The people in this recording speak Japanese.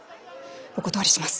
お断りします！